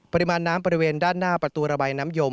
ปริมาณน้ำบริเวณด้านหน้าประตูระบายน้ำยม